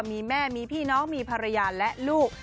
มีแม่มีพี่น้องมีภรรยาและลูก